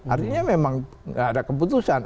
artinya memang tidak ada keputusan